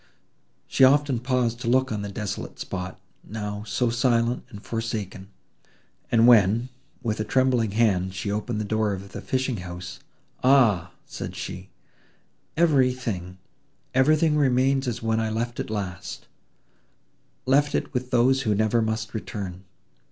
She often paused to look on the desolate spot, now so silent and forsaken, and when, with a trembling hand, she opened the door of the fishing house, "Ah!" said she, "everything—everything remains as when I left it last—left it with those who never must return!"